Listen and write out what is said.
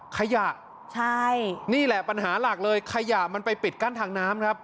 ขยะใช่นี่แหละปัญหาหลักเลยขยะมันไปปิดกั้นทางน้ำครับ